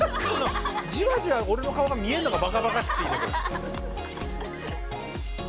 じわじわ俺の顔が見えるのがばかばかしくていいね。